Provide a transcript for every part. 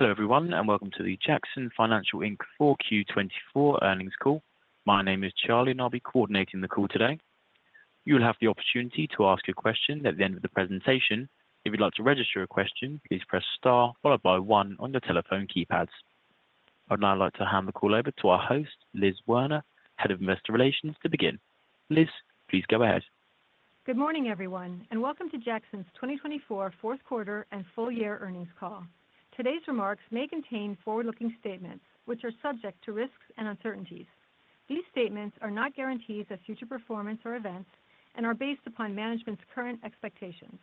Hello everyone, and welcome to the Jackson Financial Inc. 4Q 2024 Earnings Call. My name is Charlie, and I'll be coordinating the call today. You'll have the opportunity to ask a question at the end of the presentation. If you'd like to register a question, please press star followed by one on your telephone keypads. I'd now like to hand the call over to our host, Liz Werner, Head of Investor Relations, to begin. Liz, please go ahead. Good morning, everyone, and welcome to Jackson's 2024 fourth quarter and full year earnings call. Today's remarks may contain forward-looking statements, which are subject to risks and uncertainties. These statements are not guarantees of future performance or events and are based upon management's current expectations.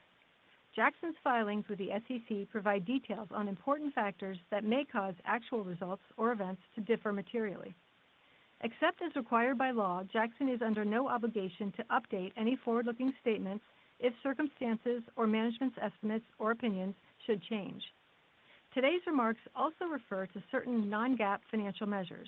Jackson's filings with the SEC provide details on important factors that may cause actual results or events to differ materially. Except as required by law, Jackson is under no obligation to update any forward-looking statements if circumstances or management's estimates or opinions should change. Today's remarks also refer to certain non-GAAP financial measures.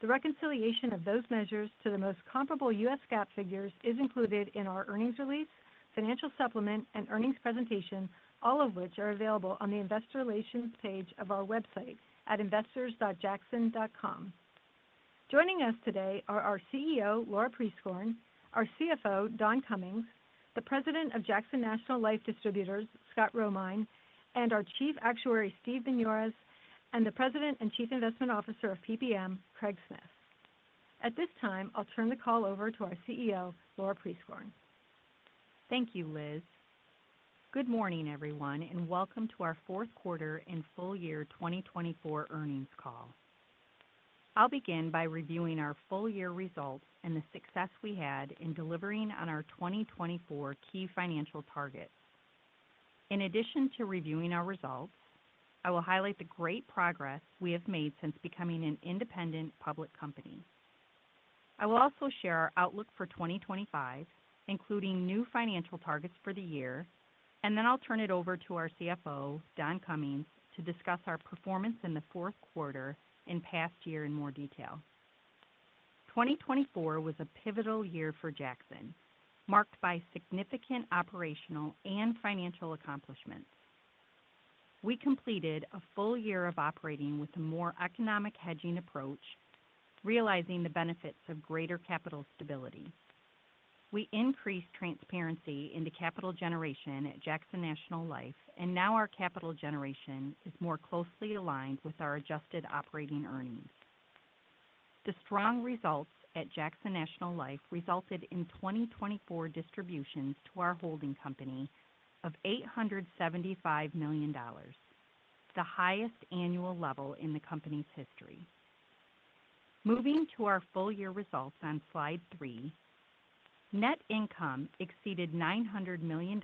The reconciliation of those measures to the most comparable U.S. GAAP figures is included in our earnings release, financial supplement, and earnings presentation, all of which are available on the Investor Relations page of our website at investors.jackson.com. Joining us today are our CEO, Laura Prieskorn, our CFO, Don Cummings, the President of Jackson National Life Distributors, Scott Romine, and our Chief Actuary, Steve Binioris, and the President and Chief Investment Officer of PPM, Craig Smith. At this time, I'll turn the call over to our CEO, Laura Prieskorn. Thank you, Liz. Good morning, everyone, and welcome to our fourth quarter and full year 2024 earnings call. I'll begin by reviewing our full year results and the success we had in delivering on our 2024 key financial targets. In addition to reviewing our results, I will highlight the great progress we have made since becoming an independent public company. I will also share our outlook for 2025, including new financial targets for the year, and then I'll turn it over to our CFO, Don Cummings, to discuss our performance in the fourth quarter and past year in more detail. 2024 was a pivotal year for Jackson, marked by significant operational and financial accomplishments. We completed a full year of operating with a more economic hedging approach, realizing the benefits of greater capital stability. We increased transparency into capital generation at Jackson National Life, and now our capital generation is more closely aligned with our adjusted operating earnings. The strong results at Jackson National Life resulted in 2024 distributions to our holding company of $875 million, the highest annual level in the company's history. Moving to our full year results on slide three, net income exceeded $900 million,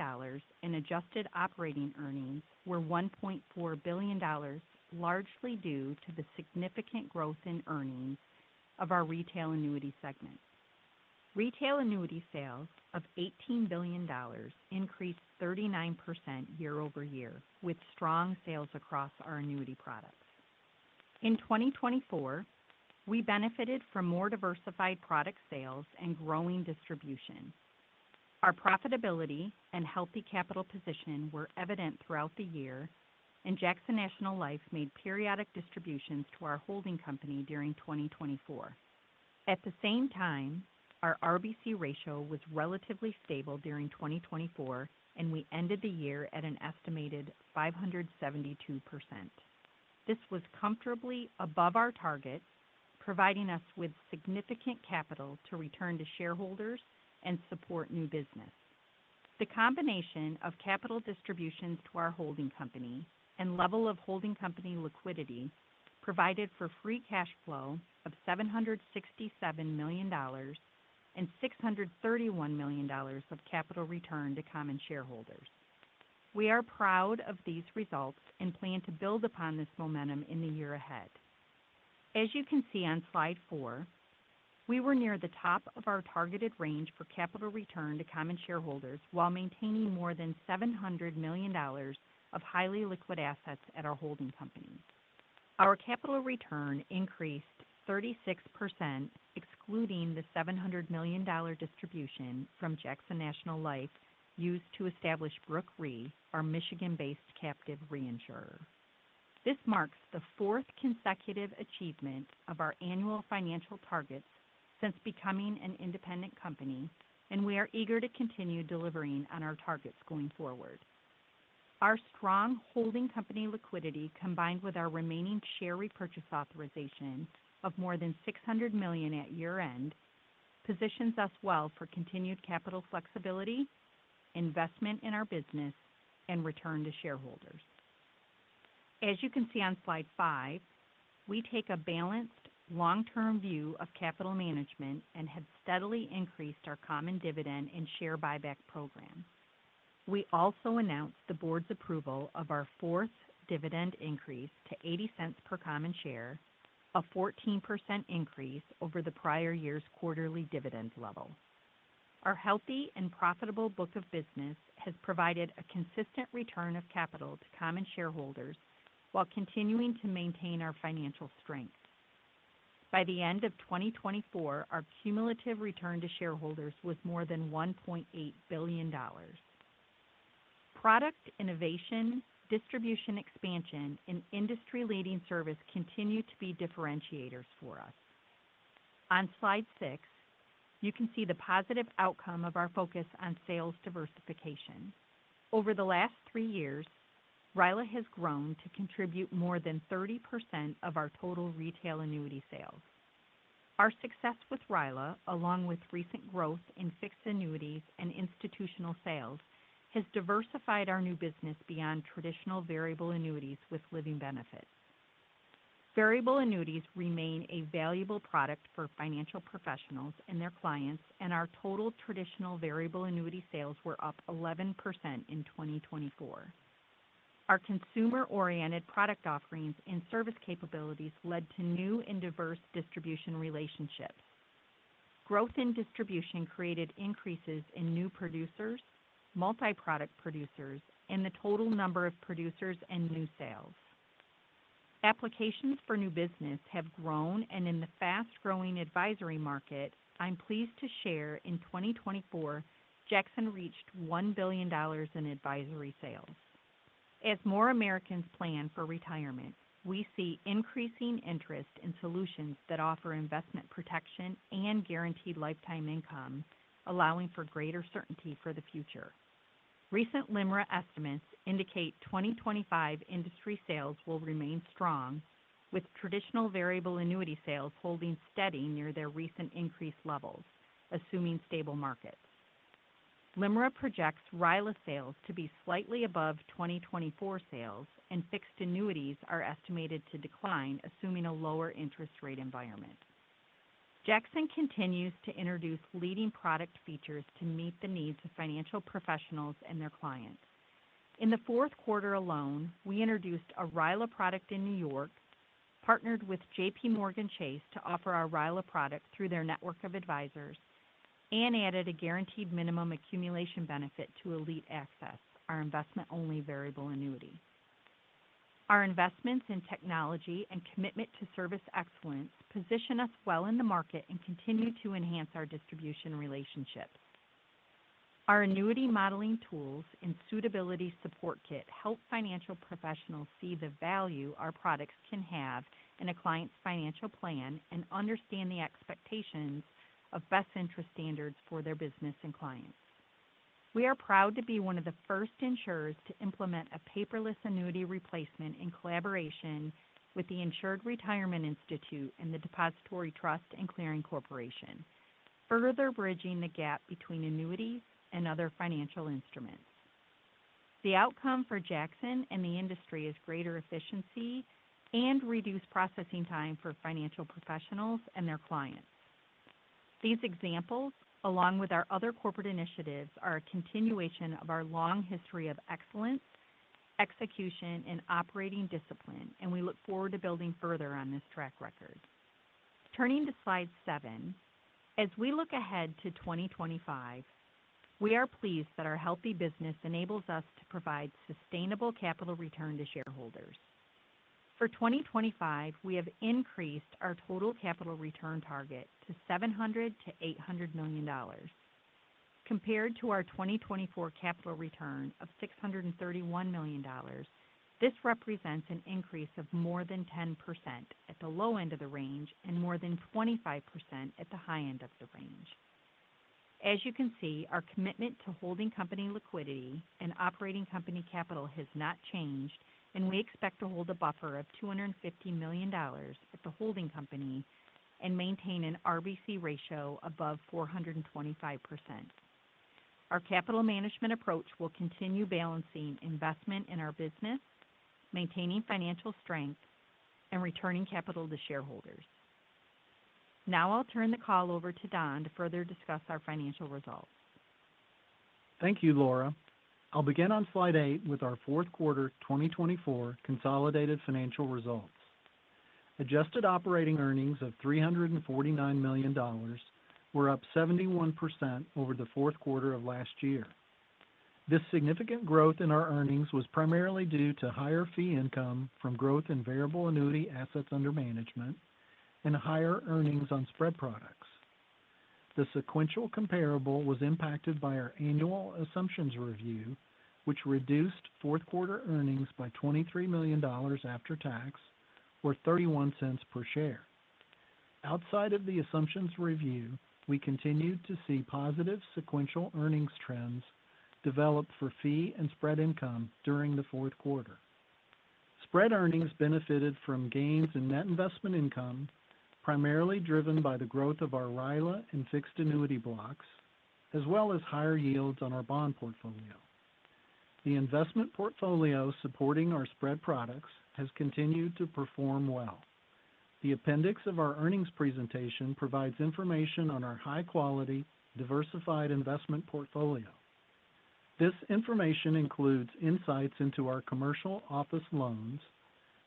and adjusted operating earnings were $1.4 billion, largely due to the significant growth in earnings of our retail annuity segment. Retail annuity sales of $18 billion increased 39% year-over-year, with strong sales across our annuity products. In 2024, we benefited from more diversified product sales and growing distribution. Our profitability and healthy capital position were evident throughout the year, and Jackson National Life made periodic distributions to our holding company during 2024. At the same time, our RBC ratio was relatively stable during 2024, and we ended the year at an estimated 572%. This was comfortably above our target, providing us with significant capital to return to shareholders and support new business. The combination of capital distributions to our holding company and level of holding company liquidity provided for free cash flow of $767 million and $631 million of capital return to common shareholders. We are proud of these results and plan to build upon this momentum in the year ahead. As you can see on slide four, we were near the top of our targeted range for capital return to common shareholders while maintaining more than $700 million of highly liquid assets at our holding company. Our capital return increased 36%, excluding the $700 million distribution from Jackson National Life used to establish Brooke Re, our Michigan-based captive reinsurer. This marks the fourth consecutive achievement of our annual financial targets since becoming an independent company, and we are eager to continue delivering on our targets going forward. Our strong holding company liquidity, combined with our remaining share repurchase authorization of more than $600 million at year-end, positions us well for continued capital flexibility, investment in our business, and return to shareholders. As you can see on slide five, we take a balanced long-term view of capital management and have steadily increased our common dividend and share buyback program. We also announced the board's approval of our fourth dividend increase to $0.80 per common share, a 14% increase over the prior year's quarterly dividend level. Our healthy and profitable book of business has provided a consistent return of capital to common shareholders while continuing to maintain our financial strength. By the end of 2024, our cumulative return to shareholders was more than $1.8 billion. Product innovation, distribution expansion, and industry-leading service continue to be differentiators for us. On slide six, you can see the positive outcome of our focus on sales diversification. Over the last three years, RILA has grown to contribute more than 30% of our total retail annuity sales. Our success with RILA, along with recent growth in fixed annuities and institutional sales, has diversified our new business beyond traditional variable annuities with living benefits. Variable annuities remain a valuable product for financial professionals and their clients, and our total traditional variable annuity sales were up 11% in 2024. Our consumer-oriented product offerings and service capabilities led to new and diverse distribution relationships. Growth in distribution created increases in new producers, multi-product producers, and the total number of producers and new sales. Applications for new business have grown, and in the fast-growing advisory market, I'm pleased to share in 2024, Jackson reached $1 billion in advisory sales. As more Americans plan for retirement, we see increasing interest in solutions that offer investment protection and guaranteed lifetime income, allowing for greater certainty for the future. Recent LIMRA estimates indicate 2025 industry sales will remain strong, with traditional variable annuity sales holding steady near their recent increase levels, assuming stable markets. LIMRA projects RILA sales to be slightly above 2024 sales, and fixed annuities are estimated to decline, assuming a lower interest rate environment. Jackson continues to introduce leading product features to meet the needs of financial professionals and their clients. In the fourth quarter alone, we introduced a RILA product in New York, partnered with J.P. Morgan Chase to offer our RILA product through their network of advisors, and added a guaranteed minimum accumulation benefit to Elite Access, our investment-only variable annuity. Our investments in technology and commitment to service excellence position us well in the market and continue to enhance our distribution relationship. Our annuity modeling tools and suitability support kit help financial professionals see the value our products can have in a client's financial plan and understand the expectations of best interest standards for their business and clients. We are proud to be one of the first insurers to implement a paperless annuity replacement in collaboration with the Insured Retirement Institute and the Depository Trust & Clearing Corporation, further bridging the gap between annuity and other financial instruments. The outcome for Jackson and the industry is greater efficiency and reduced processing time for financial professionals and their clients. These examples, along with our other corporate initiatives, are a continuation of our long history of excellence, execution, and operating discipline, and we look forward to building further on this track record. Turning to slide seven, as we look ahead to 2025, we are pleased that our healthy business enables us to provide sustainable capital return to shareholders. For 2025, we have increased our total capital return target to $700 million-$800 million. Compared to our 2024 capital return of $631 million, this represents an increase of more than 10% at the low end of the range and more than 25% at the high end of the range. As you can see, our commitment to holding company liquidity and operating company capital has not changed, and we expect to hold a buffer of $250 million at the holding company and maintain an RBC ratio above 425%. Our capital management approach will continue balancing investment in our business, maintaining financial strength, and returning capital to shareholders. Now I'll turn the call over to Don to further discuss our financial results. Thank you, Laura. I'll begin on slide eight with our fourth quarter 2024 consolidated financial results. Adjusted operating earnings of $349 million were up 71% over the fourth quarter of last year. This significant growth in our earnings was primarily due to higher fee income from growth in variable annuity assets under management and higher earnings on spread products. The sequential comparable was impacted by our annual assumptions review, which reduced fourth quarter earnings by $23 million after tax, or $0.31 per share. Outside of the assumptions review, we continued to see positive sequential earnings trends develop for fee and spread income during the fourth quarter. Spread earnings benefited from gains in net investment income, primarily driven by the growth of our RILA and fixed annuity blocks, as well as higher yields on our bond portfolio. The investment portfolio supporting our spread products has continued to perform well. The appendix of our earnings presentation provides information on our high-quality, diversified investment portfolio. This information includes insights into our commercial office loans,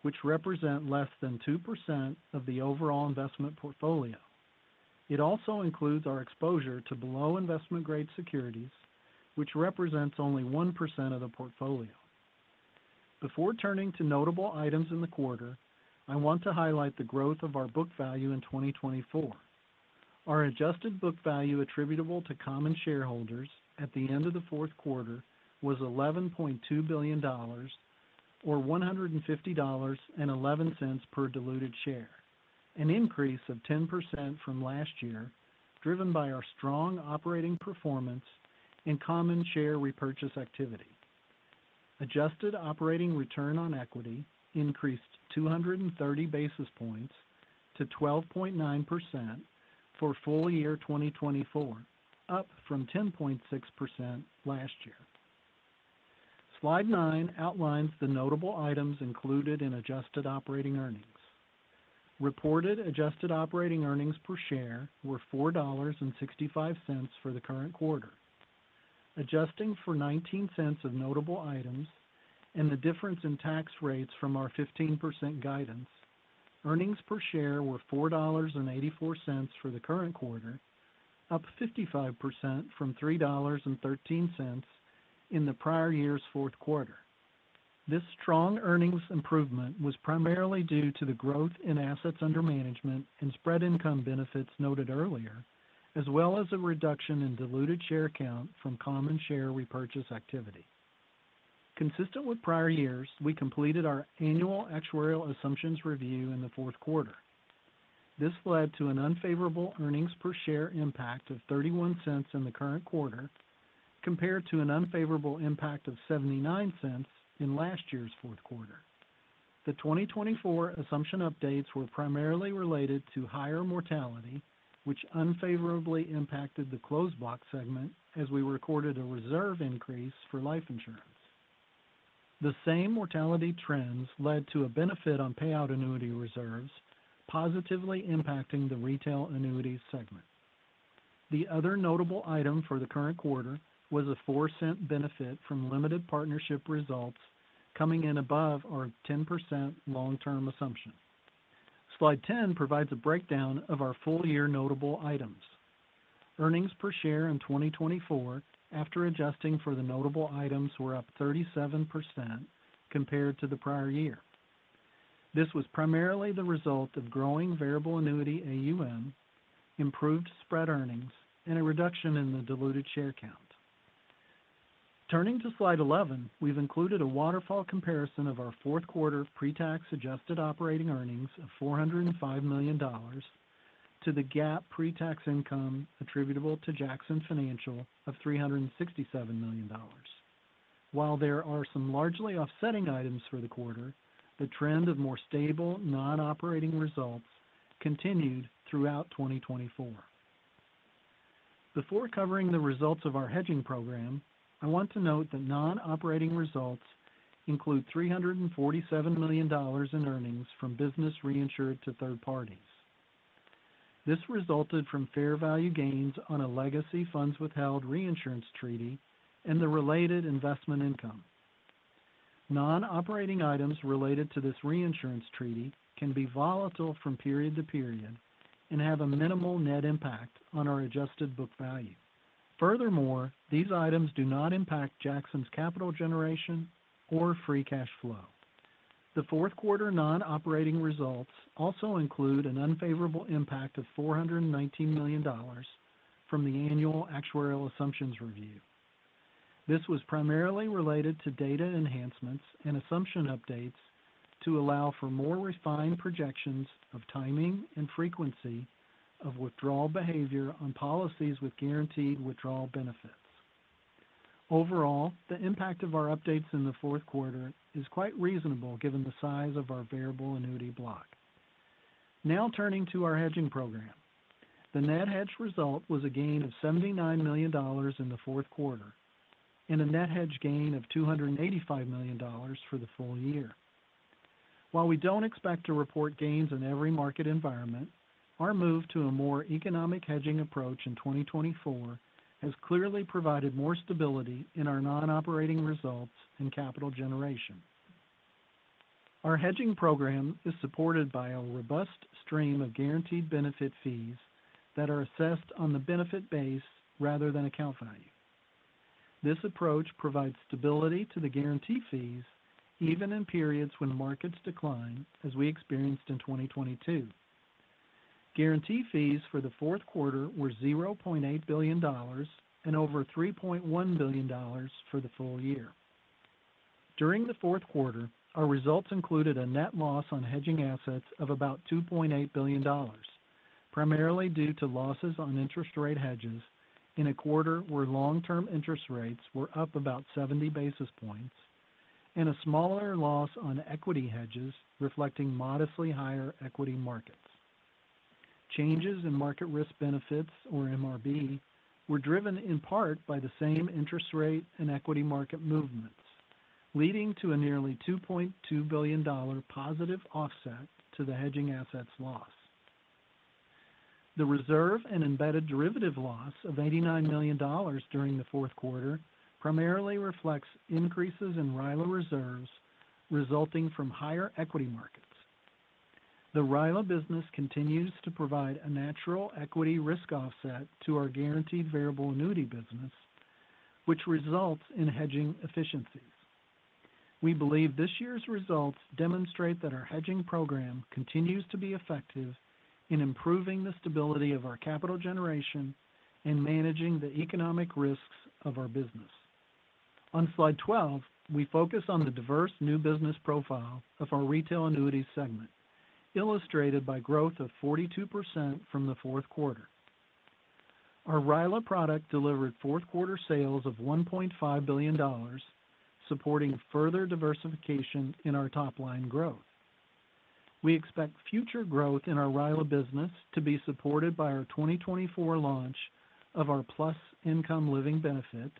which represent less than 2% of the overall investment portfolio. It also includes our exposure to below investment-grade securities, which represents only 1% of the portfolio. Before turning to notable items in the quarter, I want to highlight the growth of our book value in 2024. Our adjusted book value attributable to common shareholders at the end of the fourth quarter was $11.2 billion, or $150.11 per diluted share, an increase of 10% from last year, driven by our strong operating performance and common share repurchase activity. Adjusted operating return on equity increased 230 basis points to 12.9% for full year 2024, up from 10.6% last year. Slide nine outlines the notable items included in adjusted operating earnings. Reported adjusted operating earnings per share were $4.65 for the current quarter. Adjusting for $0.19 of notable items and the difference in tax rates from our 15% guidance, earnings per share were $4.84 for the current quarter, up 55% from $3.13 in the prior year's fourth quarter. This strong earnings improvement was primarily due to the growth in assets under management and spread income benefits noted earlier, as well as a reduction in diluted share count from common share repurchase activity. Consistent with prior years, we completed our annual actuarial assumptions review in the fourth quarter. This led to an unfavorable earnings per share impact of $0.31 in the current quarter, compared to an unfavorable impact of $0.79 in last year's fourth quarter. The 2024 assumption updates were primarily related to higher mortality, which unfavorably impacted the closed box segment as we recorded a reserve increase for life insurance. The same mortality trends led to a benefit on payout annuity reserves, positively impacting the retail annuity segment. The other notable item for the current quarter was a $0.04 benefit from limited partnership results coming in above our 10% long-term assumption. Slide 10 provides a breakdown of our full year notable items. Earnings per share in 2024, after adjusting for the notable items, were up 37% compared to the prior year. This was primarily the result of growing variable annuity AUM, improved spread earnings, and a reduction in the diluted share count. Turning to slide 11, we've included a waterfall comparison of our fourth quarter pre-tax adjusted operating earnings of $405 million to the GAAP pre-tax income attributable to Jackson Financial of $367 million. While there are some largely offsetting items for the quarter, the trend of more stable non-operating results continued throughout 2024. Before covering the results of our hedging program, I want to note that non-operating results include $347 million in earnings from business reinsured to third parties. This resulted from fair value gains on a legacy funds withheld reinsurance treaty and the related investment income. Non-operating items related to this reinsurance treaty can be volatile from period to period and have a minimal net impact on our adjusted book value. Furthermore, these items do not impact Jackson's capital generation or free cash flow. The fourth quarter non-operating results also include an unfavorable impact of $419 million from the annual actuarial assumptions review. This was primarily related to data enhancements and assumption updates to allow for more refined projections of timing and frequency of withdrawal behavior on policies with guaranteed withdrawal benefits. Overall, the impact of our updates in the fourth quarter is quite reasonable given the size of our variable annuity block. Now turning to our hedging program, the net hedge result was a gain of $79 million in the fourth quarter and a net hedge gain of $285 million for the full year. While we don't expect to report gains in every market environment, our move to a more economic hedging approach in 2024 has clearly provided more stability in our non-operating results and capital generation. Our hedging program is supported by a robust stream of guaranteed benefit fees that are assessed on the benefit base rather than account value. This approach provides stability to the guarantee fees even in periods when markets decline, as we experienced in 2022. Guarantee fees for the fourth quarter were $0.8 billion and over $3.1 billion for the full year. During the fourth quarter, our results included a net loss on hedging assets of about $2.8 billion, primarily due to losses on interest rate hedges in a quarter where long-term interest rates were up about 70 basis points, and a smaller loss on equity hedges reflecting modestly higher equity markets. Changes in market risk benefits, or MRB, were driven in part by the same interest rate and equity market movements, leading to a nearly $2.2 billion positive offset to the hedging assets loss. The reserve and embedded derivative loss of $89 million during the fourth quarter primarily reflects increases in RILA reserves resulting from higher equity markets. The RILA business continues to provide a natural equity risk offset to our guaranteed variable annuity business, which results in hedging efficiencies. We believe this year's results demonstrate that our hedging program continues to be effective in improving the stability of our capital generation and managing the economic risks of our business. On slide 12, we focus on the diverse new business profile of our retail annuity segment, illustrated by growth of 42% from the fourth quarter. Our RILA product delivered fourth quarter sales of $1.5 billion, supporting further diversification in our top-line growth. We expect future growth in our RILA business to be supported by our 2024 launch of our Plus Income living benefit,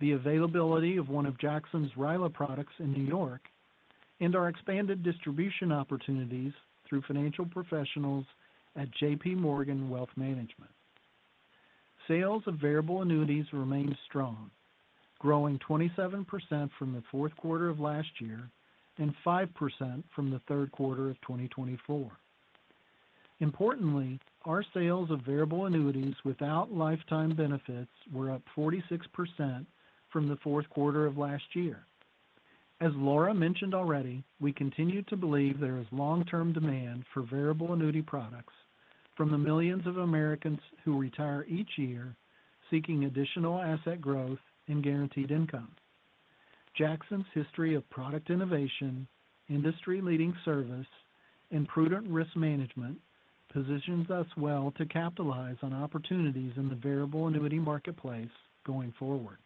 the availability of one of Jackson's RILA products in New York, and our expanded distribution opportunities through financial professionals at J.P. Morgan Wealth Management. Sales of variable annuities remained strong, growing 27% from the fourth quarter of last year and 5% from the third quarter of 2024. Importantly, our sales of variable annuities without lifetime benefits were up 46% from the fourth quarter of last year. As Laura mentioned already, we continue to believe there is long-term demand for variable annuity products from the millions of Americans who retire each year seeking additional asset growth and guaranteed income. Jackson's history of product innovation, industry-leading service, and prudent risk management positions us well to capitalize on opportunities in the variable annuity marketplace going forward.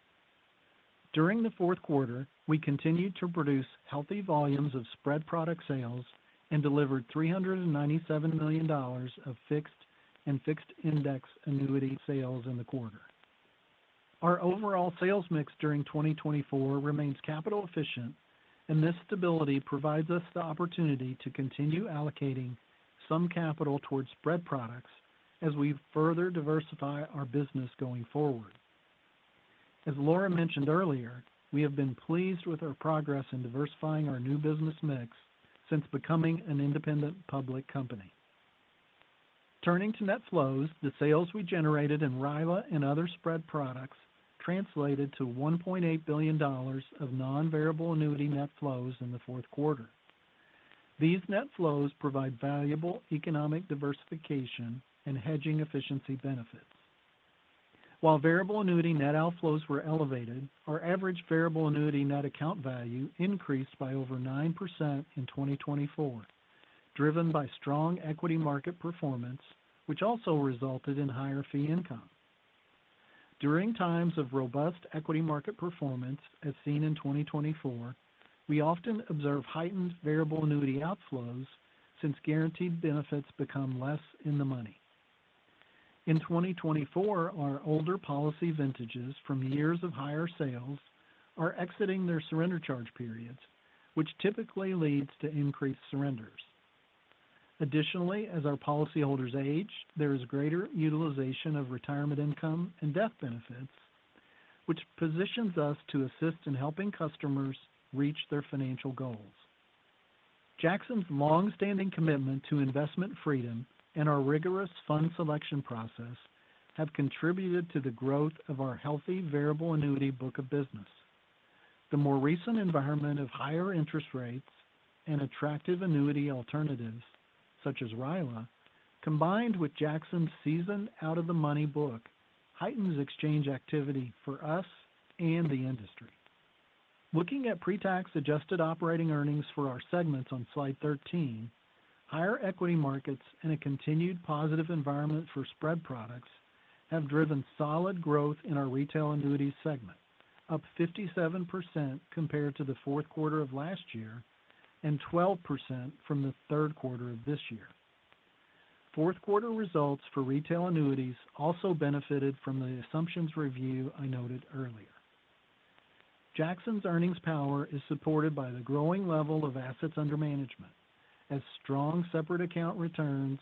During the fourth quarter, we continued to produce healthy volumes of spread product sales and delivered $397 million of fixed and fixed index annuity sales in the quarter. Our overall sales mix during 2024 remains capital efficient, and this stability provides us the opportunity to continue allocating some capital towards spread products as we further diversify our business going forward. As Laura mentioned earlier, we have been pleased with our progress in diversifying our new business mix since becoming an independent public company. Turning to net flows, the sales we generated in RILA and other spread products translated to $1.8 billion of non-variable annuity net flows in the fourth quarter. These net flows provide valuable economic diversification and hedging efficiency benefits. While variable annuity net outflows were elevated, our average variable annuity net account value increased by over 9% in 2024, driven by strong equity market performance, which also resulted in higher fee income. During times of robust equity market performance, as seen in 2024, we often observe heightened variable annuity outflows since guaranteed benefits become less in the money. In 2024, our older policy vintages from years of higher sales are exiting their surrender charge periods, which typically leads to increased surrenders. Additionally, as our policyholders age, there is greater utilization of retirement income and death benefits, which positions us to assist in helping customers reach their financial goals. Jackson's long-standing commitment to investment freedom and our rigorous fund selection process have contributed to the growth of our healthy variable annuity book of business. The more recent environment of higher interest rates and attractive annuity alternatives, such as RILA, combined with Jackson's seasoned out-of-the-money book, heightens exchange activity for us and the industry. Looking at pre-tax adjusted operating earnings for our segments on slide 13, higher equity markets and a continued positive environment for spread products have driven solid growth in our retail annuity segment, up 57% compared to the fourth quarter of last year and 12% from the third quarter of this year. Fourth quarter results for retail annuities also benefited from the assumptions review I noted earlier. Jackson's earnings power is supported by the growing level of assets under management, as strong separate account returns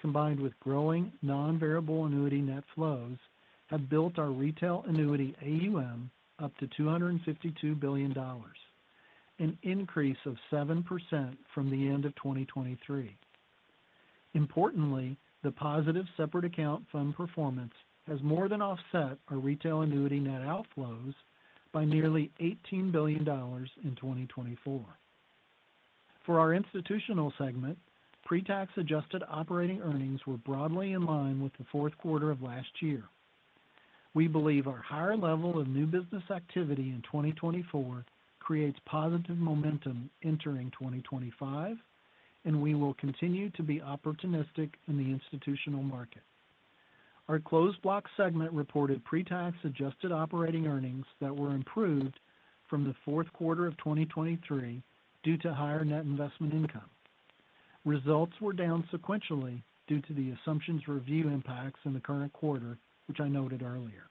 combined with growing non-variable annuity net flows have built our retail annuity AUM up to $252 billion, an increase of 7% from the end of 2023. Importantly, the positive separate account fund performance has more than offset our retail annuity net outflows by nearly $18 billion in 2024. For our institutional segment, pre-tax adjusted operating earnings were broadly in line with the fourth quarter of last year. We believe our higher level of new business activity in 2024 creates positive momentum entering 2025, and we will continue to be opportunistic in the institutional market. Our closed box segment reported pre-tax adjusted operating earnings that were improved from the fourth quarter of 2023 due to higher net investment income. Results were down sequentially due to the assumptions review impacts in the current quarter, which I noted earlier.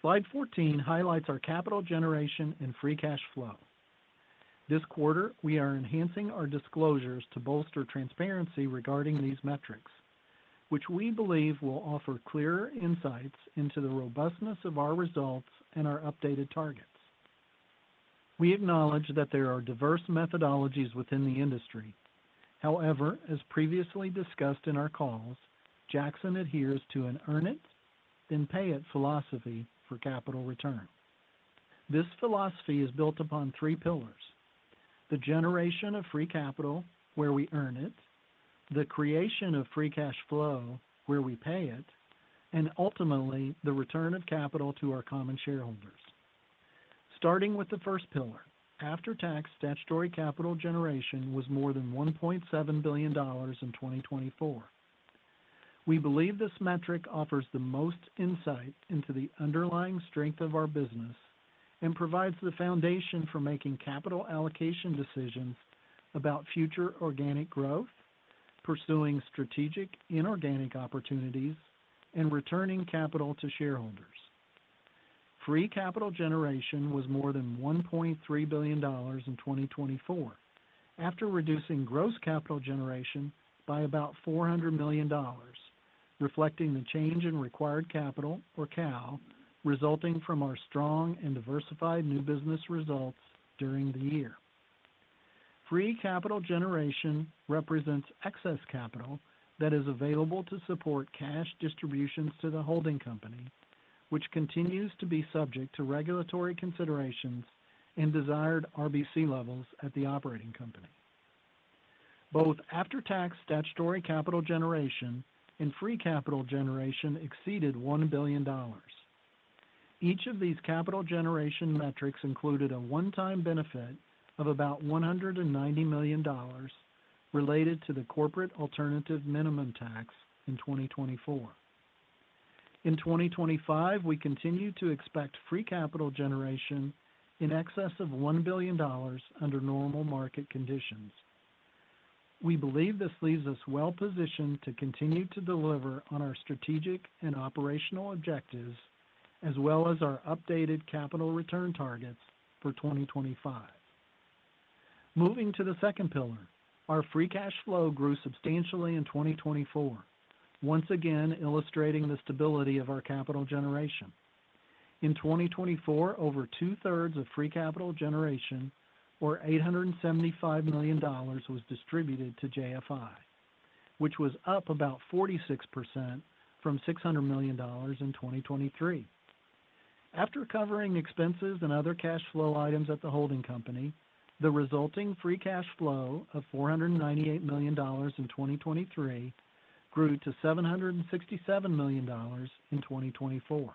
Slide 14 highlights our capital generation and free cash flow. This quarter, we are enhancing our disclosures to bolster transparency regarding these metrics, which we believe will offer clearer insights into the robustness of our results and our updated targets. We acknowledge that there are diverse methodologies within the industry. However, as previously discussed in our calls, Jackson adheres to an earn-it, then pay-it philosophy for capital return. This philosophy is built upon three pillars: the generation of free capital where we earn it, the creation of free cash flow where we pay it, and ultimately the return of capital to our common shareholders. Starting with the first pillar, after-tax statutory capital generation was more than $1.7 billion in 2024. We believe this metric offers the most insight into the underlying strength of our business and provides the foundation for making capital allocation decisions about future organic growth, pursuing strategic inorganic opportunities, and returning capital to shareholders. Free capital generation was more than $1.3 billion in 2024, after reducing gross capital generation by about $400 million, reflecting the change in required capital, or CAL, resulting from our strong and diversified new business results during the year. Free capital generation represents excess capital that is available to support cash distributions to the holding company, which continues to be subject to regulatory considerations and desired RBC levels at the operating company. Both after-tax statutory capital generation and free capital generation exceeded $1 billion. Each of these capital generation metrics included a one-time benefit of about $190 million related to the Corporate Alternative Minimum Tax in 2024. In 2025, we continue to expect free capital generation in excess of $1 billion under normal market conditions. We believe this leaves us well-positioned to continue to deliver on our strategic and operational objectives, as well as our updated capital return targets for 2025. Moving to the second pillar, our free cash flow grew substantially in 2024, once again illustrating the stability of our capital generation. In 2024, over two-thirds of free capital generation, or $875 million, was distributed to JFI, which was up about 46% from $600 million in 2023. After covering expenses and other cash flow items at the holding company, the resulting free cash flow of $498 million in 2023 grew to $767 million in 2024.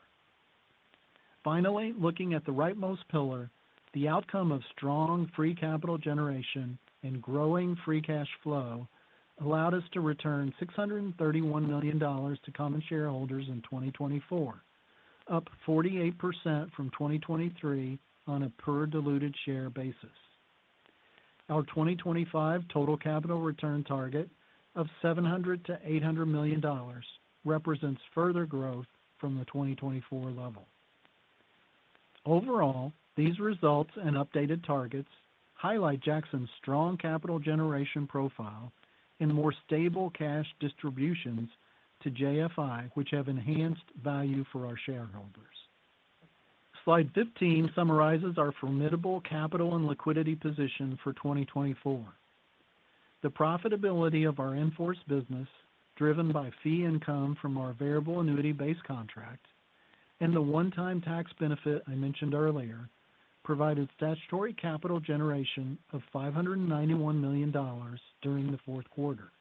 Finally, looking at the rightmost pillar, the outcome of strong free capital generation and growing free cash flow allowed us to return $631 million to common shareholders in 2024, up 48% from 2023 on a per diluted share basis. Our 2025 total capital return target of $700 million-$800 million represents further growth from the 2024 level. Overall, these results and updated targets highlight Jackson's strong capital generation profile and more stable cash distributions to JFI, which have enhanced value for our shareholders. Slide 15 summarizes our formidable capital and liquidity position for 2024. The profitability of our in-force business, driven by fee income from our variable annuity-based contract, and the one-time tax benefit I mentioned earlier provided statutory capital generation of $591 million during the fourth quarter.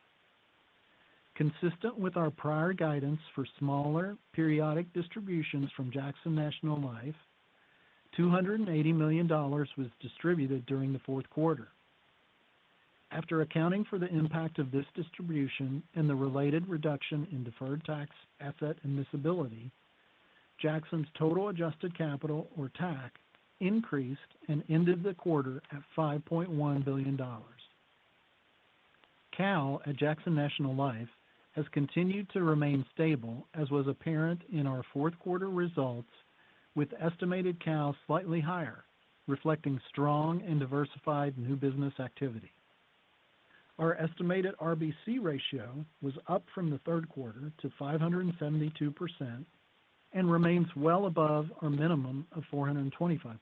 Consistent with our prior guidance for smaller periodic distributions from Jackson National Life, $280 million was distributed during the fourth quarter. After accounting for the impact of this distribution and the related reduction in deferred tax asset admissibility, Jackson's total adjusted capital, or TAC, increased and ended the quarter at $5.1 billion. CAL at Jackson National Life has continued to remain stable, as was apparent in our fourth quarter results, with estimated CAL slightly higher, reflecting strong and diversified new business activity. Our estimated RBC ratio was up from the third quarter to 572% and remains well above our minimum of 425%.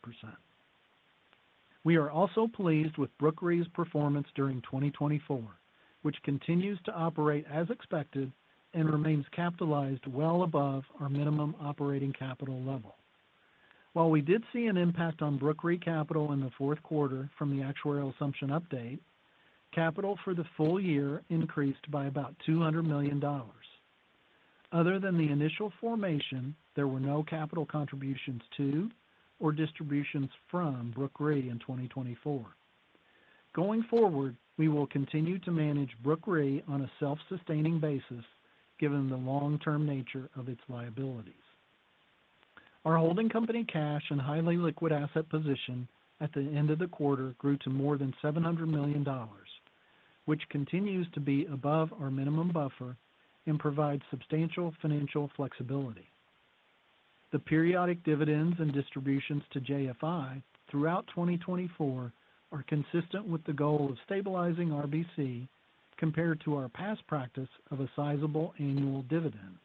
We are also pleased with Brooke Re's performance during 2024, which continues to operate as expected and remains capitalized well above our minimum operating capital level. While we did see an impact on Brooke Re capital in the fourth quarter from the actual assumption update, capital for the full year increased by about $200 million. Other than the initial formation, there were no capital contributions to or distributions from Brooke Re in 2024. Going forward, we will continue to manage Brooke Re on a self-sustaining basis, given the long-term nature of its liabilities. Our holding company cash and highly liquid asset position at the end of the quarter grew to more than $700 million, which continues to be above our minimum buffer and provides substantial financial flexibility. The periodic dividends and distributions to JFI throughout 2024 are consistent with the goal of stabilizing RBC compared to our past practice of a sizable annual dividend.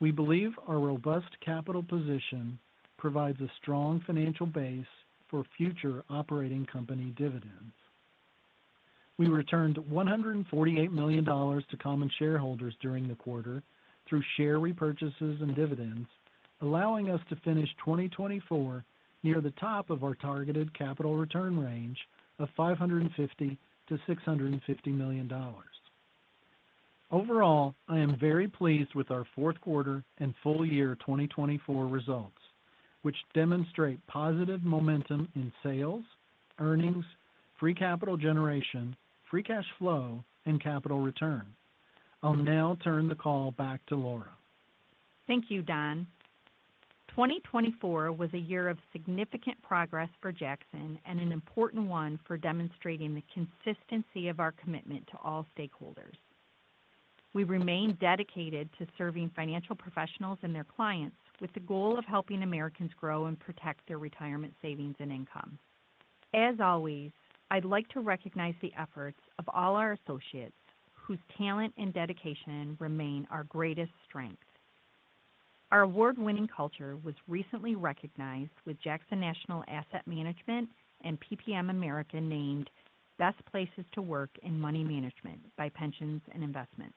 We believe our robust capital position provides a strong financial base for future operating company dividends. We returned $148 million to common shareholders during the quarter through share repurchases and dividends, allowing us to finish 2024 near the top of our targeted capital return range of $550 million-$650 million. Overall, I am very pleased with our fourth quarter and full year 2024 results, which demonstrate positive momentum in sales, earnings, free capital generation, free cash flow, and capital return. I'll now turn the call back to Laura. Thank you, Don. 2024 was a year of significant progress for Jackson and an important one for demonstrating the consistency of our commitment to all stakeholders. We remain dedicated to serving financial professionals and their clients with the goal of helping Americans grow and protect their retirement savings and income. As always, I'd like to recognize the efforts of all our associates whose talent and dedication remain our greatest strength. Our award-winning culture was recently recognized, with Jackson National Asset Management and PPM America named Best Places to Work in Money Management by Pensions & Investments.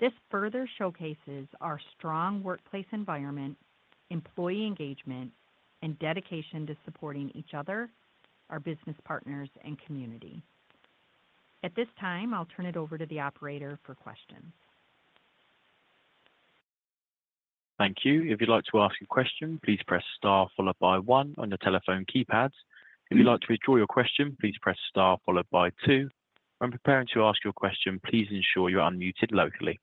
This further showcases our strong workplace environment, employee engagement, and dedication to supporting each other, our business partners, and community. At this time, I'll turn it over to the operator for questions. Thank you. If you'd like to ask a question, please press star followed by one on your telephone keypads. If you'd like to withdraw your question, please press star followed by two. When preparing to ask your question, please ensure you're unmuted locally.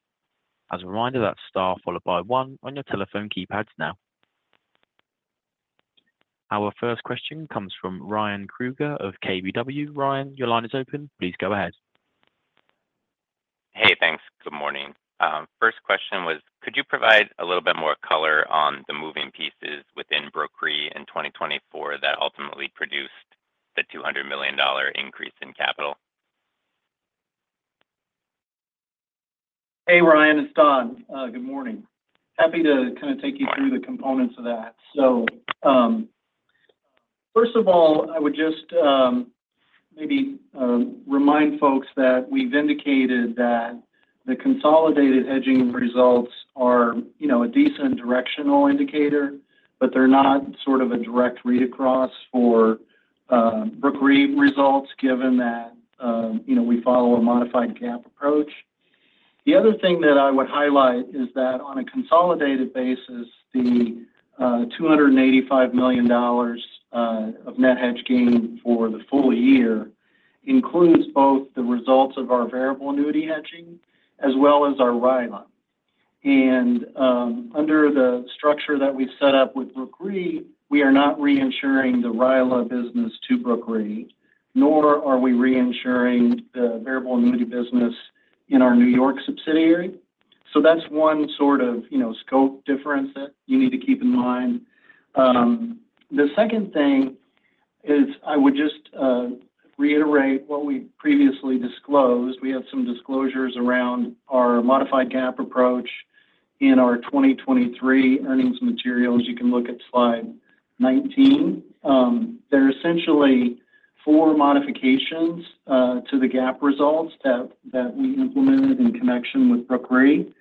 As a reminder, that's star followed by one on your telephone keypads now. Our first question comes from Ryan Krueger of KBW. Ryan, your line is open. Please go ahead. Hey, thanks. Good morning. First question was, could you provide a little bit more color on the moving pieces within Brooke Re in 2024 that ultimately produced the $200 million increase in capital? Hey, Ryan. It's Don. Good morning. Happy to kind of take you through the components of that. So first of all, I would just maybe remind folks that we've indicated that the consolidated hedging results are a decent directional indicator, but they're not sort of a direct read across for Brooke Re results, given that we follow a modified GAAP approach. The other thing that I would highlight is that on a consolidated basis, the $285 million of net hedge gain for the full year includes both the results of our variable annuity hedging as well as our RILA. And under the structure that we've set up with Brooke Re, we are not reinsuring the RILA business to Brooke Re, nor are we reinsuring the variable annuity business in our New York subsidiary. So that's one sort of scope difference that you need to keep in mind. The second thing is I would just reiterate what we previously disclosed. We had some disclosures around our modified GAAP approach in our 2023 earnings materials. You can look at slide 19. There are essentially four modifications to the GAAP results that we implemented in connection with Brooke Re.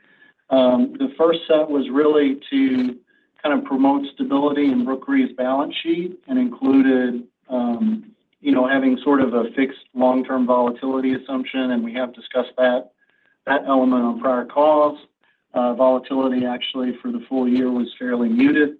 The first set was really to kind of promote stability in Brooke Re's balance sheet and included having sort of a fixed long-term volatility assumption, and we have discussed that element on prior calls. Volatility, actually, for the full year was fairly muted,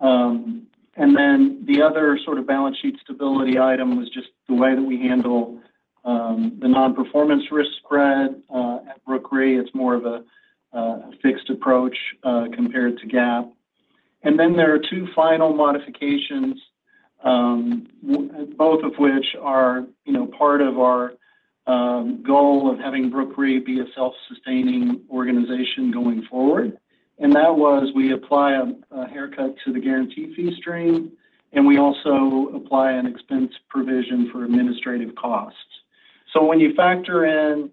and then the other sort of balance sheet stability item was just the way that we handle the non-performance risk spread at Brooke Re. It's more of a fixed approach compared to GAAP, and then there are two final modifications, both of which are part of our goal of having Brooke Re be a self-sustaining organization going forward. And that's where we apply a haircut to the guarantee fee stream, and we also apply an expense provision for administrative costs. So when you factor in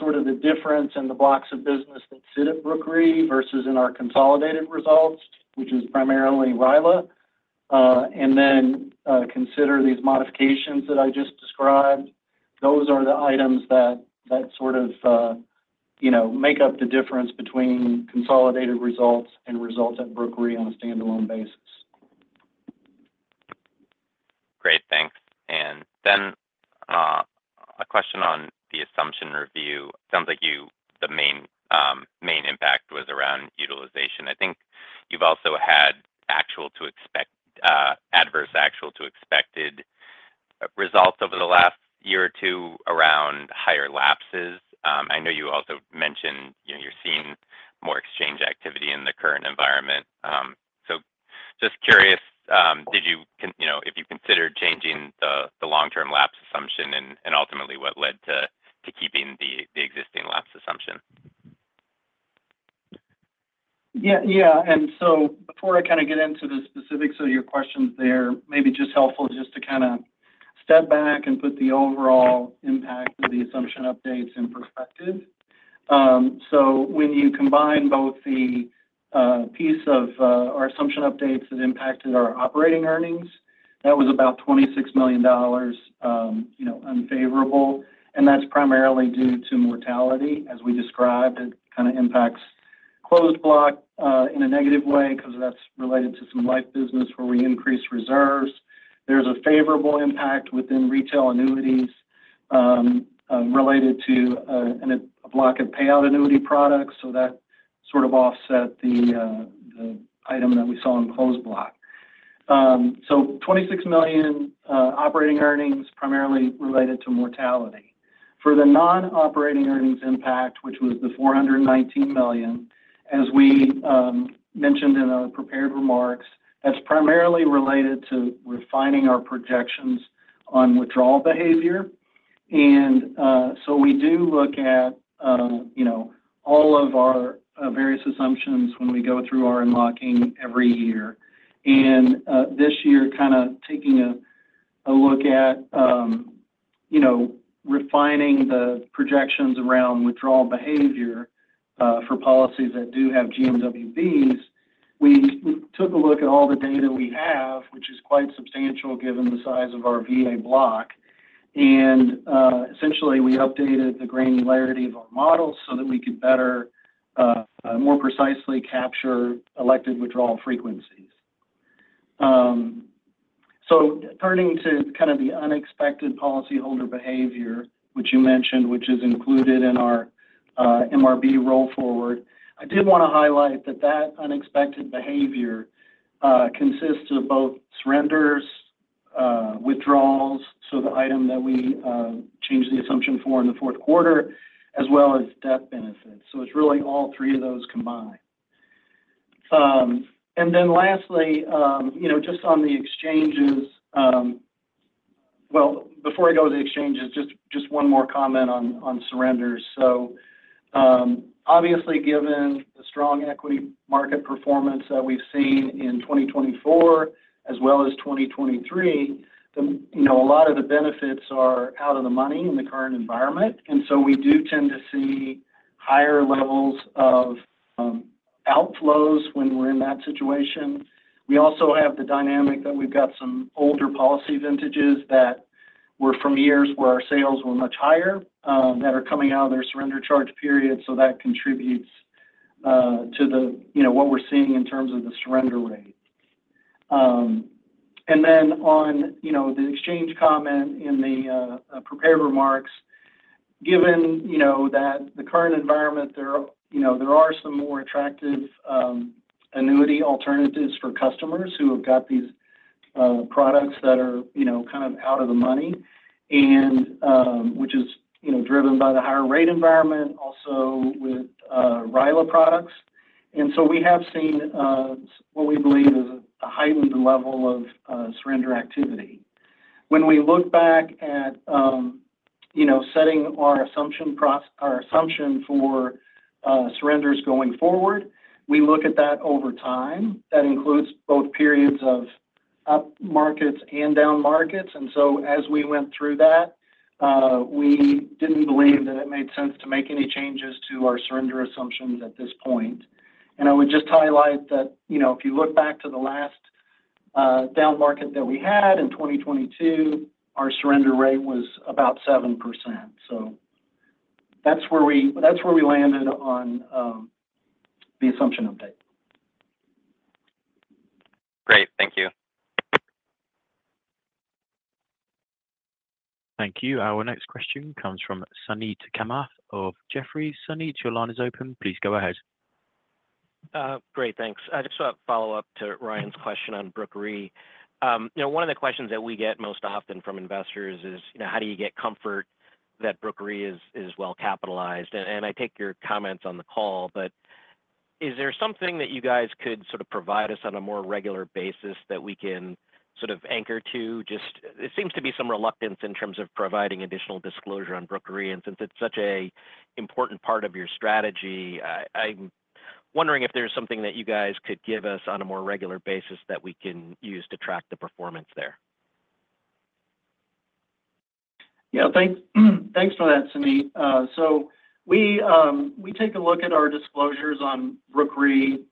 sort of the difference in the blocks of business that sit at Brooke Re versus in our consolidated results, which is primarily RILA, and then consider these modifications that I just described, those are the items that sort of make up the difference between consolidated results and results at Brooke Re on a standalone basis. Great. Thanks. And then a question on the assumption review. It sounds like the main impact was around utilization. I think you've also had adverse actual to expected results over the last year or two around higher lapses. I know you also mentioned you're seeing more exchange activity in the current environment. So, just curious if you considered changing the long-term lapse assumption and ultimately what led to keeping the existing lapse assumption. Yeah. And so before I kind of get into the specifics of your questions there, maybe just helpful just to kind of step back and put the overall impact of the assumption updates in perspective. So when you combine both the piece of our assumption updates that impacted our operating earnings, that was about $26 million unfavorable. And that's primarily due to mortality, as we described. It kind of impacts closed block in a negative way because that's related to some life business where we increase reserves. There's a favorable impact within retail annuities related to a block of payout annuity products. So that sort of offset the item that we saw in closed block. So $26 million operating earnings primarily related to mortality. For the non-operating earnings impact, which was the $419 million, as we mentioned in our prepared remarks, that's primarily related to refining our projections on withdrawal behavior, and so we do look at all of our various assumptions when we go through our unlocking every year, and this year, kind of taking a look at refining the projections around withdrawal behavior for policies that do have GMWBs, we took a look at all the data we have, which is quite substantial given the size of our VA block, and essentially, we updated the granularity of our models so that we could better, more precisely capture elected withdrawal frequencies. Turning to kind of the unexpected policyholder behavior, which you mentioned, which is included in our MRB roll forward, I did want to highlight that that unexpected behavior consists of both surrenders, withdrawals, so the item that we changed the assumption for in the fourth quarter, as well as death benefits. So it's really all three of those combined. And then lastly, just on the exchanges, well, before I go to the exchanges, just one more comment on surrenders. So obviously, given the strong equity market performance that we've seen in 2024 as well as 2023, a lot of the benefits are out of the money in the current environment. And so we do tend to see higher levels of outflows when we're in that situation. We also have the dynamic that we've got some older policy vintages that were from years where our sales were much higher that are coming out of their surrender charge period, so that contributes to what we're seeing in terms of the surrender rate, and then on the exchange comment in the prepared remarks, given the current environment, there are some more attractive annuity alternatives for customers who have got these products that are kind of out of the money, which is driven by the higher rate environment, also with RILA products, and so we have seen what we believe is a heightened level of surrender activity. When we look back at setting our assumption for surrenders going forward, we look at that over time. That includes both periods of up markets and down markets. And so as we went through that, we didn't believe that it made sense to make any changes to our surrender assumptions at this point. And I would just highlight that if you look back to the last down market that we had in 2022, our surrender rate was about 7%. So that's where we landed on the assumption update. Great. Thank you. Thank you. Our next question comes from Suneet Kamath of Jefferies. Suneet, your line is open. Please go ahead. Great. Thanks. I just want to follow up to Ryan's question on Brooke Re. One of the questions that we get most often from investors is, how do you get comfort that Brooke Re is well capitalized? And I take your comments on the call, but is there something that you guys could sort of provide us on a more regular basis that we can sort of anchor to? Just, it seems to be some reluctance in terms of providing additional disclosure on Brooke Re. And since it's such an important part of your strategy, I'm wondering if there's something that you guys could give us on a more regular basis that we can use to track the performance there. Yeah. Thanks for that, Suneet. So we take a look at our disclosures on Brooke Re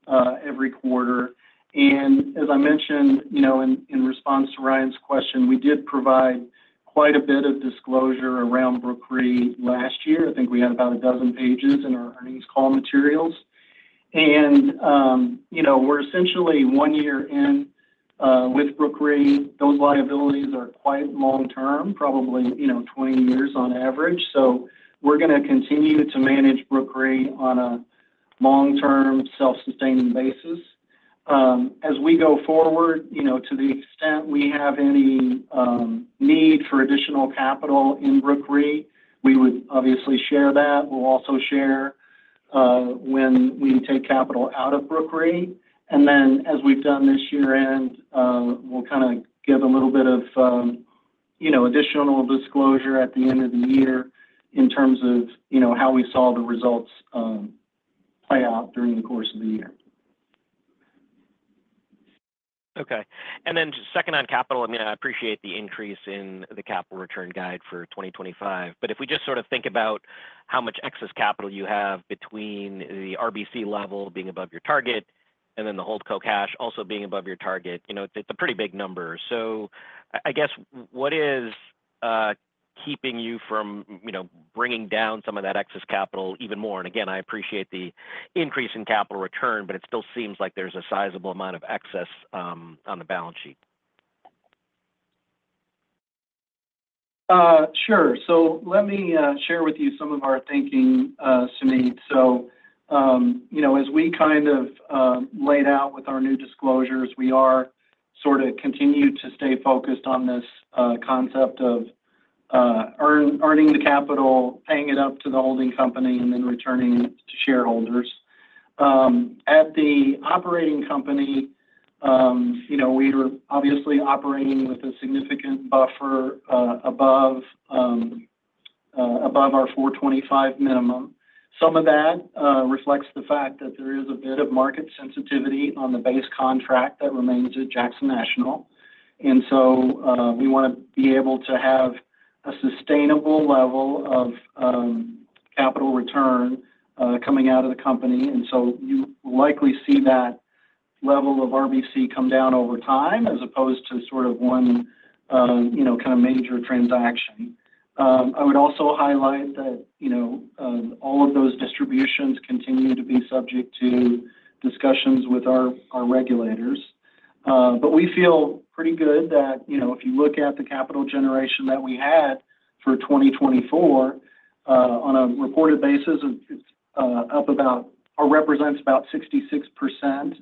every quarter. And as I mentioned, in response to Ryan's question, we did provide quite a bit of disclosure around Brooke Re last year. I think we had about a dozen pages in our earnings call materials. And we're essentially one year in with Brooke Re. Those liabilities are quite long-term, probably 20 years on average. So we're going to continue to manage Brooke Re on a long-term self-sustaining basis. As we go forward, to the extent we have any need for additional capital in Brooke Re, we would obviously share that. We'll also share when we take capital out of Brooke Re. And then as we've done this year end, we'll kind of give a little bit of additional disclosure at the end of the year in terms of how we saw the results play out during the course of the year. Okay. And then second on capital, I mean, I appreciate the increase in the capital return guide for 2025. But if we just sort of think about how much excess capital you have between the RBC level being above your target and then the holdco cash also being above your target, it's a pretty big number. So I guess what is keeping you from bringing down some of that excess capital even more? And again, I appreciate the increase in capital return, but it still seems like there's a sizable amount of excess on the balance sheet. Sure. So let me share with you some of our thinking, Suneet. So as we kind of laid out with our new disclosures, we are sort of continue to stay focused on this concept of earning the capital, paying it up to the holding company, and then returning to shareholders. At the operating company, we were obviously operating with a significant buffer above our 425 minimum. Some of that reflects the fact that there is a bit of market sensitivity on the base contract that remains at Jackson National. And so we want to be able to have a sustainable level of capital return coming out of the company. And so you likely see that level of RBC come down over time as opposed to sort of one kind of major transaction. I would also highlight that all of those distributions continue to be subject to discussions with our regulators. But we feel pretty good that if you look at the capital generation that we had for 2024, on a reported basis, it represents about 66%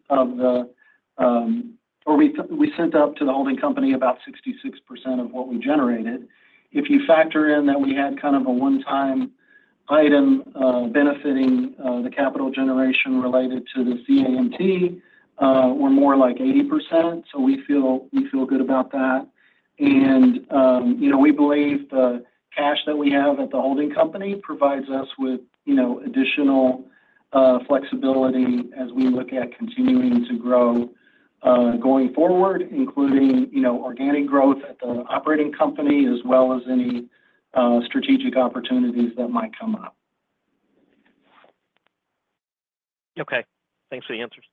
we sent up to the holding company about 66% of what we generated. If you factor in that we had kind of a one-time item benefiting the capital generation related to the CAMT, we're more like 80%. So we feel good about that. And we believe the cash that we have at the holding company provides us with additional flexibility as we look at continuing to grow going forward, including organic growth at the operating company as well as any strategic opportunities that might come up. Okay. Thanks for the answers.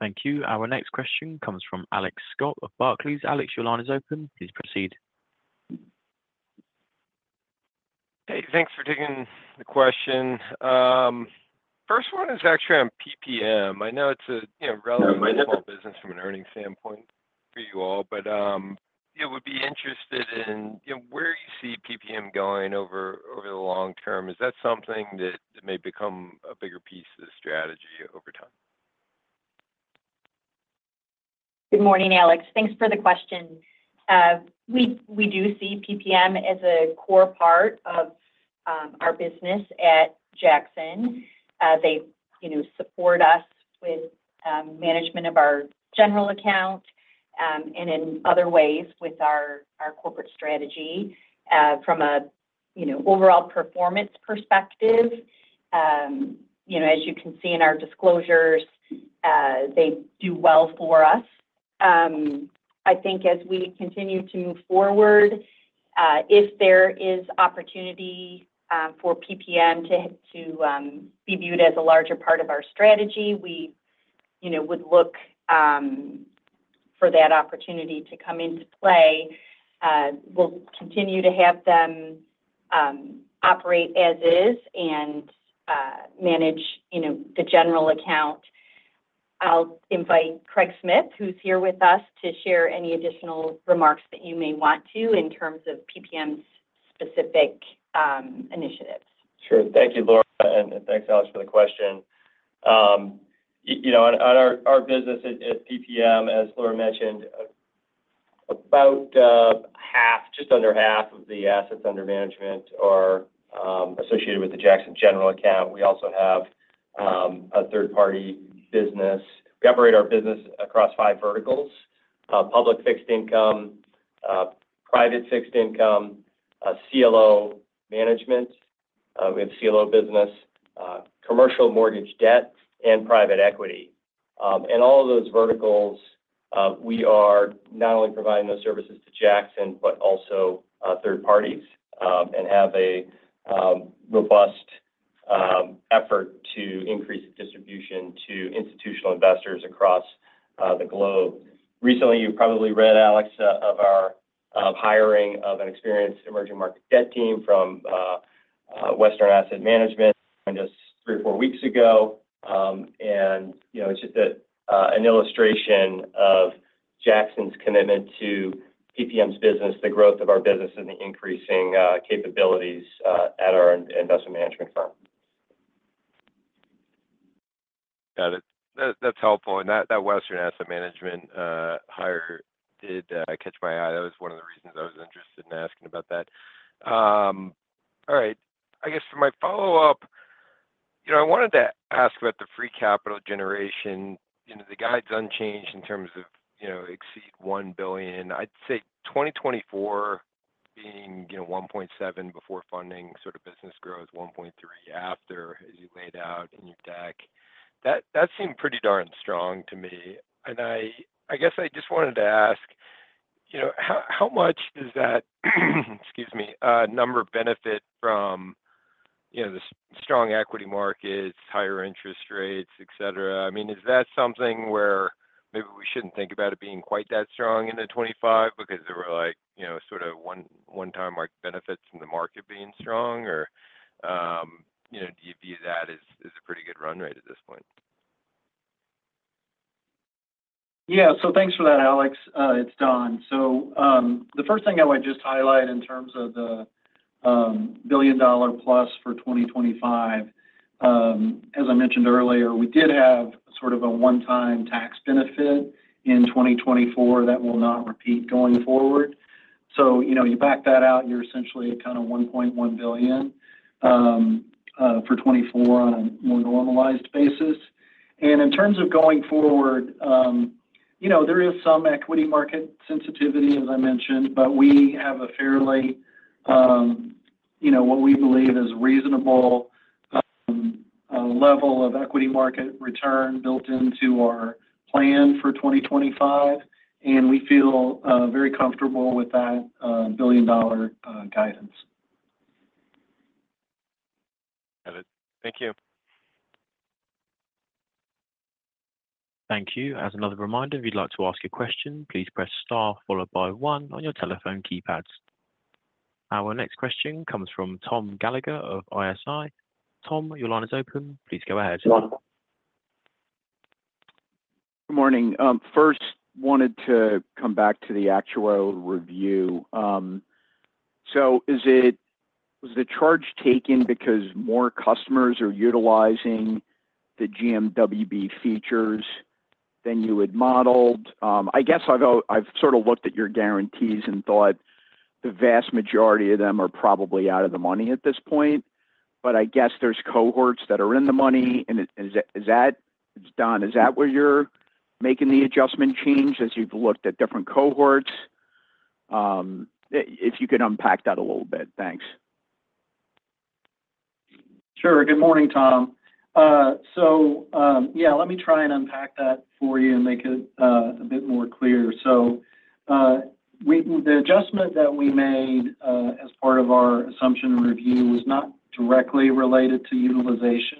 Thank you. Our next question comes from Alex Scott, Barclays. Alex, your line is open. Please proceed. Hey, thanks for taking the question. First one is actually on PPM. I know it's a relatively small business from an earnings standpoint for you all, but I'd be interested in where you see PPM going over the long term. Is that something that may become a bigger piece of the strategy over time? Good morning, Alex. Thanks for the question. We do see PPM as a core part of our business at Jackson. They support us with management of our general account and in other ways with our corporate strategy. From an overall performance perspective, as you can see in our disclosures, they do well for us. I think as we continue to move forward, if there is opportunity for PPM to be viewed as a larger part of our strategy, we would look for that opportunity to come into play. We'll continue to have them operate as is and manage the general account. I'll invite Craig Smith, who's here with us, to share any additional remarks that you may want to in terms of PPM's specific initiatives. Sure. Thank you, Laura. And thanks, Alex, for the question. On our business at PPM, as Laura mentioned, about half, just under half of the assets under management are associated with the Jackson general account. We also have a third-party business. We operate our business across five verticals: public fixed income, private fixed income, CLO management. We have a CLO business, commercial mortgage debt, and private equity. In all of those verticals, we are not only providing those services to Jackson, but also third parties and have a robust effort to increase the distribution to institutional investors across the globe. Recently, you've probably read, Alex, of our hiring of an experienced emerging market debt team from Western Asset Management just three or four weeks ago, and it's just an illustration of Jackson's commitment to PPM's business, the growth of our business, and the increasing capabilities at our investment management firm. Got it. That's helpful, and that Western Asset Management hire did catch my eye. That was one of the reasons I was interested in asking about that. All right. I guess for my follow-up, I wanted to ask about the free capital generation. The guide's unchanged in terms of exceeding $1 billion. I'd say 2024 being $1.7 billion before funding, sort of business growth, $1.3 billion after, as you laid out in your deck. That seemed pretty darn strong to me. And I guess I just wanted to ask, how much does that, excuse me, number benefit from the strong equity markets, higher interest rates, etc.? I mean, is that something where maybe we shouldn't think about it being quite that strong in 2025 because there were sort of one-time benefits in the market being strong? Or do you view that as a pretty good run rate at this point? Yeah. So thanks for that, Alex. It's Don. So the first thing I would just highlight in terms of the $1 billion plus for 2025, as I mentioned earlier, we did have sort of a one-time tax benefit in 2024 that will not repeat going forward. So you back that out, you're essentially at kind of $1.1 billion for 2024 on a more normalized basis. And in terms of going forward, there is some equity market sensitivity, as I mentioned, but we have a fairly, what we believe is a reasonable level of equity market return built into our plan for 2025. And we feel very comfortable with that $1 billion guidance. Got it. Thank you. Thank you. As another reminder, if you'd like to ask a question, please press star followed by one on your telephone keypads. Our next question comes from Tom Gallagher of ISI. Tom, your line is open. Please go ahead. Good morning. First, wanted to come back to the actual review. So was the charge taken because more customers are utilizing the GMWB features than you had modeled? I guess I've sort of looked at your guarantees and thought the vast majority of them are probably out of the money at this point. But I guess there's cohorts that are in the money. And is that, Don, is that where you're making the adjustment change as you've looked at different cohorts? If you could unpack that a little bit. Thanks. Sure. Good morning, Tom. So yeah, let me try and unpack that for you and make it a bit more clear. So the adjustment that we made as part of our assumption review was not directly related to utilization.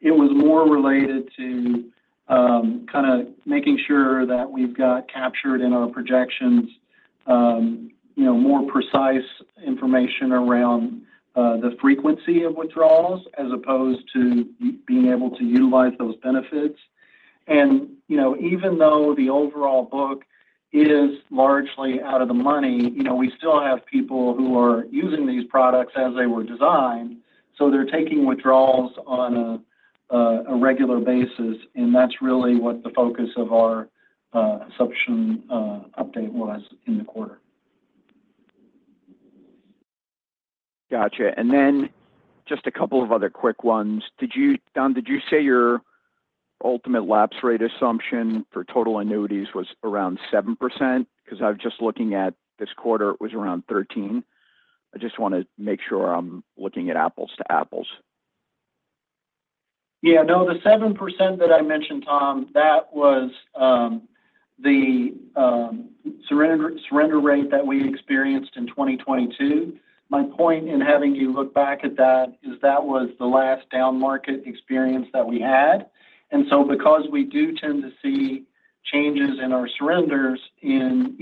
It was more related to kind of making sure that we've got captured in our projections more precise information around the frequency of withdrawals as opposed to being able to utilize those benefits. And even though the overall book is largely out of the money, we still have people who are using these products as they were designed. So they're taking withdrawals on a regular basis. And that's really what the focus of our assumption update was in the quarter. Gotcha. And then just a couple of other quick ones. Don, did you say your ultimate lapse rate assumption for total annuities was around 7%? Because I was just looking at this quarter, it was around 13%. I just want to make sure I'm looking at apples to apples. Yeah. No, the 7% that I mentioned, Tom, that was the surrender rate that we experienced in 2022. My point in having you look back at that is that was the last down market experience that we had. And so because we do tend to see changes in our surrenders in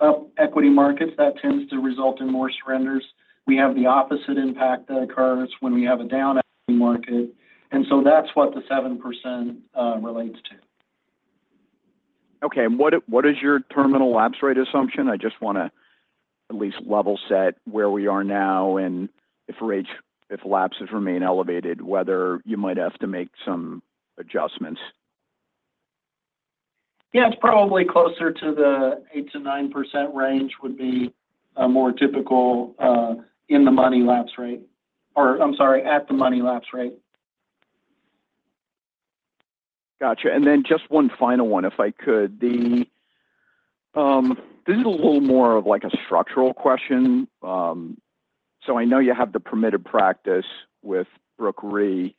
up equity markets, that tends to result in more surrenders. We have the opposite impact that occurs when we have a down equity market. And so that's what the 7% relates to. Okay. What is your terminal lapse rate assumption? I just want to at least level set where we are now and if lapses remain elevated, whether you might have to make some adjustments. Yeah. It's probably closer to the 8%-9% range would be more typical in the money lapse rate. Or I'm sorry, at the money lapse rate. Gotcha. And then just one final one, if I could. This is a little more of a structural question. So I know you have the permitted practice with Brooke Re.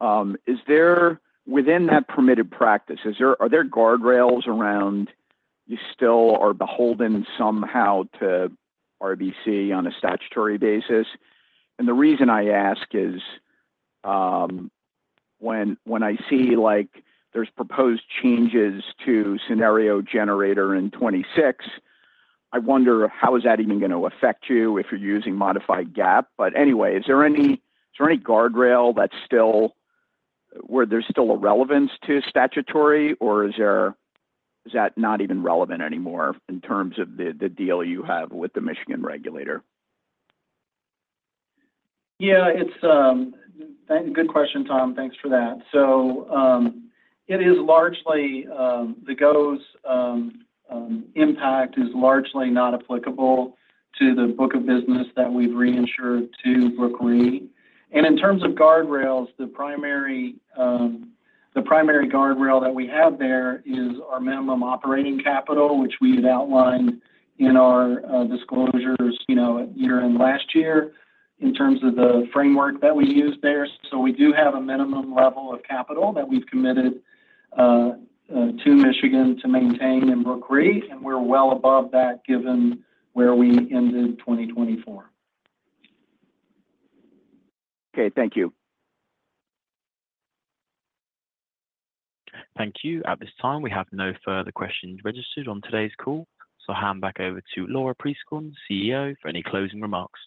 Within that permitted practice, are there guardrails around you still are beholden somehow to RBC on a statutory basis? And the reason I ask is when I see there's proposed changes to scenario generator in 2026, I wonder how is that even going to affect you if you're using modified GAAP? But anyway, is there any guardrail that's still where there's still a relevance to statutory? Or is that not even relevant anymore in terms of the deal you have with the Michigan regulator? Yeah. Good question, Tom. Thanks for that. So it is largely the GOES impact is largely not applicable to the book of business that we've reinsured to Brooke Re. And in terms of guardrails, the primary guardrail that we have there is our minimum operating capital, which we had outlined in our disclosures year and last year in terms of the framework that we used there. So we do have a minimum level of capital that we've committed to Michigan to maintain in Brooke Re. And we're well above that given where we ended 2024. Okay. Thank you. Thank you. At this time, we have no further questions registered on today's call. So I'll hand back over to Laura Prieskorn, CEO, for any closing remarks.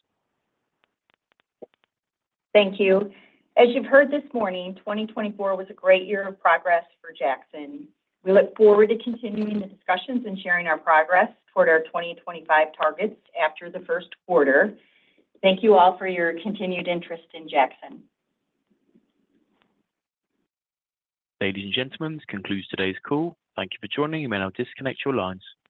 Thank you. As you've heard this morning, 2024 was a great year of progress for Jackson. We look forward to continuing the discussions and sharing our progress toward our 2025 targets after the first quarter. Thank you all for your continued interest in Jackson. Ladies and gentlemen, this concludes today's call. Thank you for joining. You may now disconnect your lines.